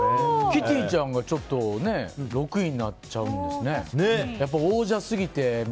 キティちゃんが６位になっちゃうんですね。